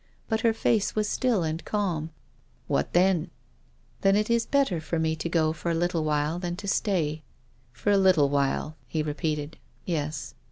But her face was still and calm. " What then ?"" Then it is better for me to go for a little while than to stay." " For a little while," he repeated, "yes."